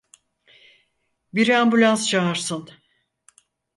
Biri ambulans çağırsın!